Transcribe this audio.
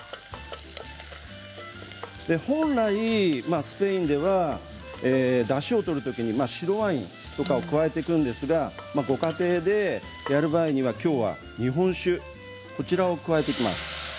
本来スペインではだしを取るときに白ワインを加えていくんですけれどご家庭でやる場合にはきょうは日本酒こちらを加えていきます。